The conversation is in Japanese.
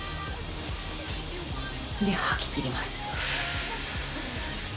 で、吐ききります。